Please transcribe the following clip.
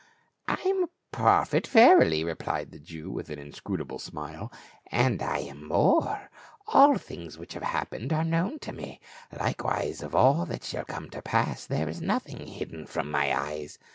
"I am a prophet, verily," replied the Jew with an inscrutable smile. " And I am more. All things which have happened are known to me ; likewise of all that shall come to pass is there nothing hid from my eyes.